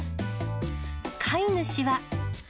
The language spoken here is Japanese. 飼い主は。